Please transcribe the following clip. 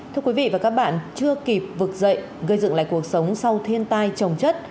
thưa quý vị và các bạn chưa kịp vực dậy gây dựng lại cuộc sống sau thiên tai trồng chất